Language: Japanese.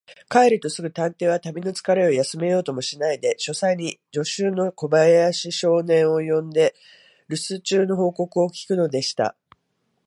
帰るとすぐ、探偵は旅のつかれを休めようともしないで、書斎に助手の小林少年を呼んで、るす中の報告を聞くのでした。